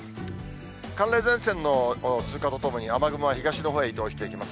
寒冷前線の通過とともに雨雲が東のほうへ移動していきます。